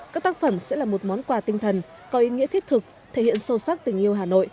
các tác phẩm sẽ là một món quà tinh thần có ý nghĩa thiết thực thể hiện sâu sắc tình yêu hà nội